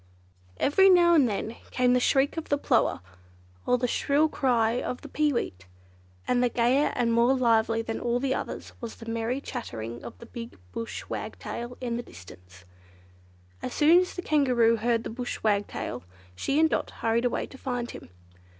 Every now and then came the shriek of the plover, or the shrill cry of the peeweet; and gayer and more lively than all others was the merry clattering of the big bush wagtail in the distance. As soon as the Kangaroo heard the Bush Wagtail, she and Dot hurried away to find him.